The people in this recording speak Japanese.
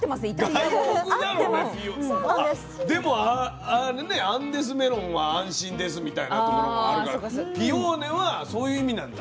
でもアンデスメロンは「安心です」みたいなところもあるからピオーネはそういう意味なんだ。